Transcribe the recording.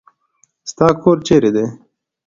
ستا کور چيري دی.